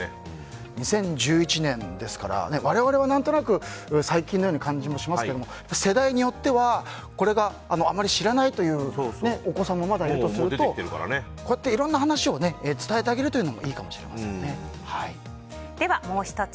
２０１１年ですから我々は何となく最近のような感じもしますけども世代によってはこれをあまり知らないというお子さんもいるとするとこうやっていろんな話を伝えてあげるというのももう１つ。